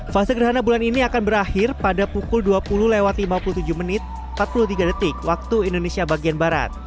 fase gerhana bulan ini akan berakhir pada pukul dua puluh lima puluh tujuh empat puluh tiga wib